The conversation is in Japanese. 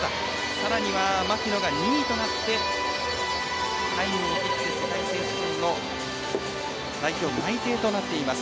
さらには牧野が２位となってタイムを切って世界選手権の代表内定となっています。